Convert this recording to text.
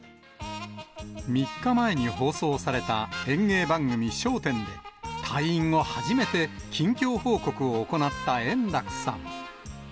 ３日前に放送された演芸番組、笑点で、退院後初めて近況報告を行った円楽さん。